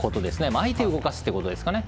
相手を動かすということですかね。